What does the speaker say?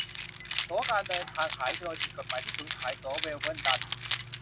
ตั๋วการเดินทางขายโดยผิดกฎหมายที่ศูนย์ขายตั๋วเวลเบินดัน